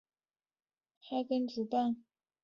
第一届赛事于丹麦首都哥本哈根主办。